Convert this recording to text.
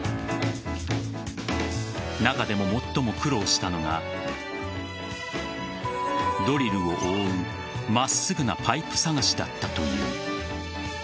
中でも最も苦労したのがドリルを覆う、真っすぐなパイプ探しだったという。